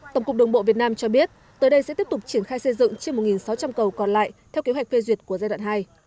tổng cục đường bộ việt nam cho biết tới đây sẽ tiếp tục triển khai xây dựng trên một sáu trăm linh cầu còn lại theo kế hoạch phê duyệt của giai đoạn hai